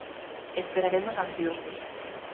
Esperaremos ansiosos.